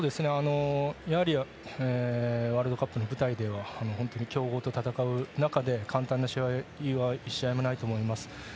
やはりワールドカップの舞台では本当に強豪と戦う中で簡単な試合は１試合もないと思います。